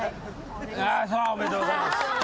あそれはおめでとうございます。